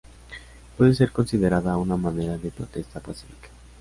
Puede ser considerada una manera de protesta pacífica.